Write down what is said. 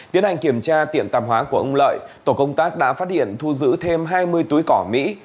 tiến hành kiểm tra tiệm tạp hóa của ông lợi tổ công tác đã phát hiện thu giữ thêm hai mươi túi cỏ mỹ